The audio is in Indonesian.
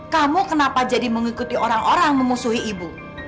kamu kenapa jadi mengikuti orang orang memusuhi ibu